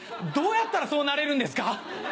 どうやったらそうなれるんですか？